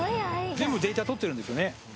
全部データ取ってるんですよね。